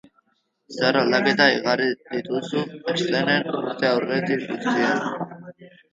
Zer aldaketa igarri dituzu eszenan urte hauetan guztietan?